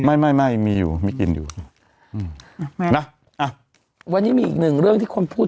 ไม่ไม่ไม่มีอยู่มีกินอยู่อืมไม่นะอ่ะวันนี้มีอีกหนึ่งเรื่องที่คนพูด